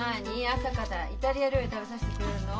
朝からイタリア料理食べさせてくれるの？